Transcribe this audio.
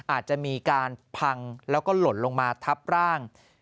อาจจะมีการพังแล้วก็หล่นลงมาทับร่าง